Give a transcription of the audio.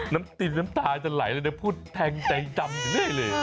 น้ำติดน้ำตาจะไหลเลยพูดแทงใจจำอยู่ได้เลย